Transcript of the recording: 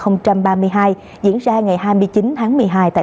năm hai nghìn ba mươi hai diễn ra ngày hai mươi chín tháng một mươi hai tại tp hcm